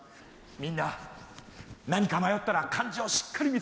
みんな何か迷ったら漢字をしっかり見つめるんだ。